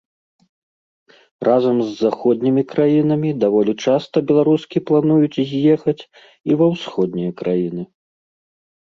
Разам з заходнімі краінамі даволі часта беларускі плануюць з'ехаць і ва ўсходнія краіны.